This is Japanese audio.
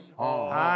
はい。